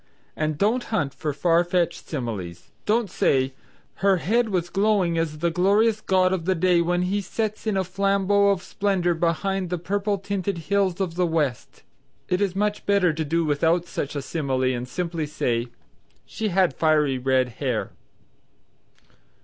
And don't hunt for farfetched similes. Don't say "Her head was glowing as the glorious god of day when he sets in a flambeau of splendor behind the purple tinted hills of the West." It is much better to do without such a simile and simply say "She had fiery red hair."